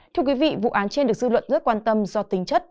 thưa quý vị vụ án trên được dư luận rất quan tâm do tính chất